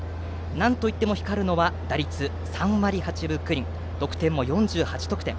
なんといっても光るのは打率３割８分９厘得点も４８得点。